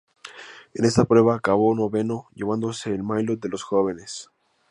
En esta prueba acabó noveno, llevándose el maillot de los jóvenes.